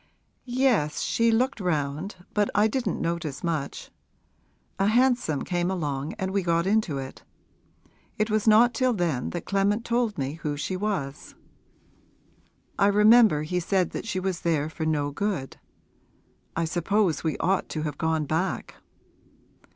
'Yes; she looked round, but I didn't notice much. A hansom came along and we got into it. It was not till then that Clement told me who she was: I remember he said that she was there for no good. I suppose we ought to have gone back.'